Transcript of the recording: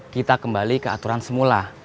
kita kembali ke aturan semula